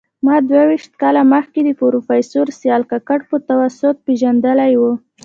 ما دوه ویشت کاله مخکي د پروفیسر سیال کاکړ په توسط پېژندلی و